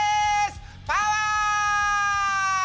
パワー！